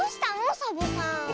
サボさん。